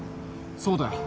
そうだよ